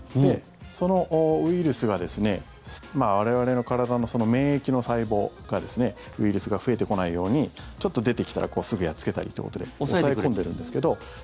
そのウイルスが我々の体の免疫の細胞がウイルスが増えてこないようにちょっと出てきたらすぐやっつけたりということで抑え込んでるんですけど